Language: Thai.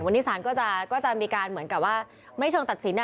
วันนี้ศาลก็จะมีการเหมือนกับว่าไม่เชิงตัดสิน